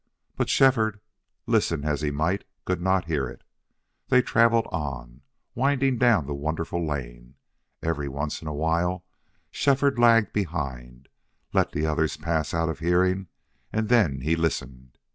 But Shefford, listen as he might, could not hear it. They traveled on, winding down the wonderful lane. Every once in a while Shefford lagged behind, let the others pass out of hearing, and then he listened.